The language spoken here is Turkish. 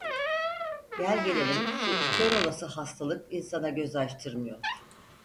Gelgelelim şu kör olası hastalık insana göz açtırmıyor.